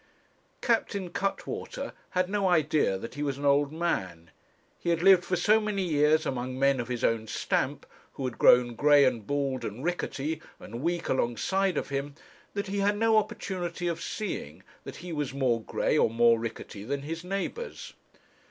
Captain Cuttwater had no idea that he was an old man. He had lived for so many years among men of his own stamp, who had grown grey and bald, and rickety, and weak alongside of him, that he had no opportunity of seeing that he was more grey or more rickety than his neighbours.